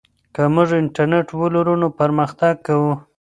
که موږ انټرنیټ ولرو نو پرمختګ کوو.